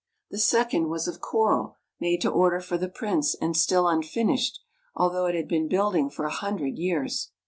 The second was of coral, made to order for the Prince, and still unfinished, although it had been building for a hundred years.